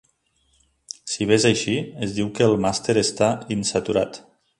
Si bé és així, es diu que el màser està "insaturat".